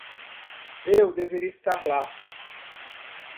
Eu deveria estar lá.